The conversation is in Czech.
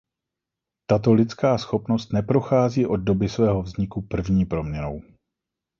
Tato lidská schopnost neprochází od doby svého vzniku první proměnou.